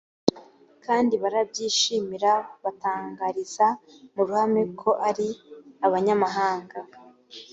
kandi barabyishimira batangariza mu ruhame ko ari abanyamahanga